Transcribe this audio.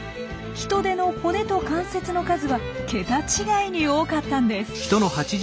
ヒトデの骨と関節の数は桁違いに多かったんです。